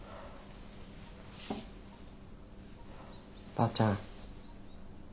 ばあちゃん。